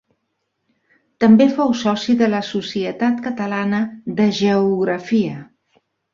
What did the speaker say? També fou soci de la Societat Catalana de Geografia.